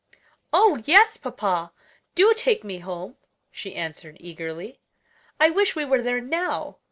"Oh, yes, papa, do take me home," she answered eagerly. "I wish we were there now.